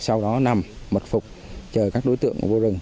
sau đó nằm mật phục chờ các đối tượng vô rừng